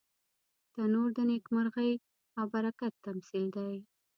تنور د نیکمرغۍ او برکت تمثیل دی